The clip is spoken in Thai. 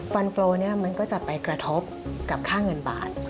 ฟันโฟลมันก็จะไปกระทบกับค่าเงินบาท